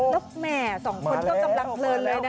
ล๊อคแม่๒คนก็กำลังเพลินเลยนะครับ